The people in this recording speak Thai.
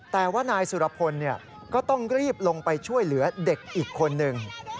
แต่ว่านายสุรพลก็ต้องรีบลงไปช่วยเหลือเด็กอีกคนนึง